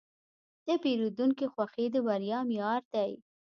د پیرودونکي خوښي د بریا معیار دی.